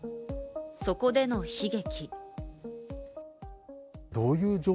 そこでの悲劇。